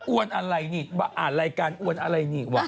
อ้วนอะไรเนี่ยอ่านรายการอ้วนอะไรนี่วะ